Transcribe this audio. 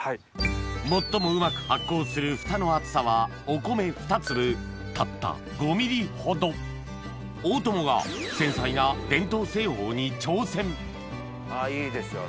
最もうまく発酵するフタの厚さはお米ふた粒たった５ｍｍほど大友が繊細なあいいですよ